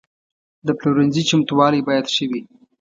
د پلورنځي چمتووالی باید ښه وي.